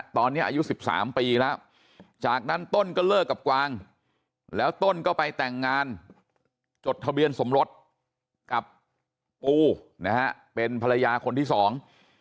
ตอนนี้อายุสิบสามปีแล้วจากนั้นต้นก็เลิกกับกวางแล้วต้นก็ไปแต่งงานจดทะเบียนสมรสกับปูนะฮะเป็นภรรยาคนที่สอง